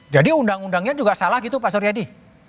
jadi undang undangnya juga salah gitu pak suryadi